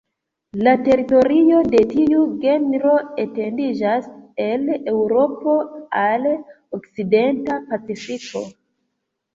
La teritorioj de tiu genro etendiĝas el Eŭropo al okcidenta Pacifiko.